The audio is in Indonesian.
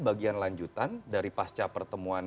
bagian lanjutan dari pasca pertemuan